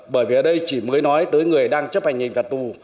bởi vì ở đây chỉ mới nói tới người đang chấp hành hình phạt tù